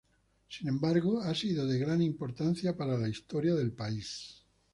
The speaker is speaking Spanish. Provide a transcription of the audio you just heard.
Sin embargo, ha sido de gran importancia para la historia del país.